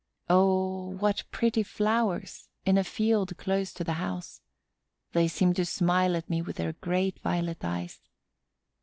Oh, what pretty flowers, in a field close to the house! They seem to smile at me with their great violet eyes.